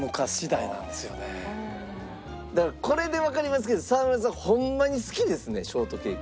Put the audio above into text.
だからこれでわかりますけど沢村さんホンマに好きですねショートケーキ。